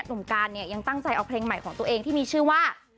หนุ่มการเนี่ยยังตั้งใจเอาเพลงใหม่ของตัวเองที่มีชื่อว่า